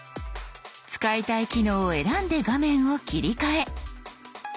使いたい機能を選んで画面を切り替え。